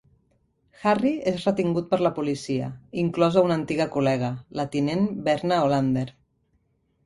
Harry és retingut per la policia, inclosa una antiga col·lega, la tinent Verna Hollander.